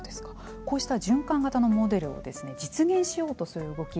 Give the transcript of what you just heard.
こうした循環型のモデルを実現しようとする動き